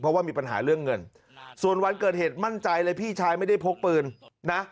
เพราะว่ามีปัญหาเรื่องเงินส่วนวันเกิดเหตุมั่นใจเลยพี่ชายไม่ได้พกปืนนะ